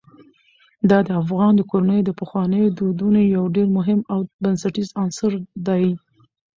دا د افغان کورنیو د پخوانیو دودونو یو ډېر مهم او بنسټیز عنصر دی.